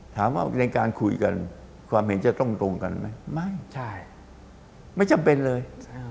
ถามว่าในการคุยกันความเห็นจะต้องตรงกันไหมไม่ใช่ไม่จำเป็นเลย